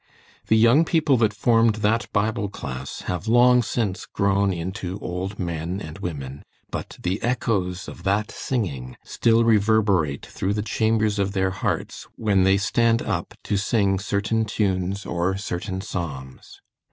The young people that formed that Bible class have long since grown into old men and women, but the echoes of that singing still reverberate through the chambers of their hearts when they stand up to sing certain tunes or certain Psalms.